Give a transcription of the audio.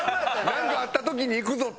なんかあった時にいくぞって。